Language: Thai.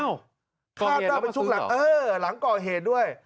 อ้าวก่อเหตุแล้วมาซื้อหรอคาดว่าเป็นช่วงหลังเออหลังก่อเหตุด้วย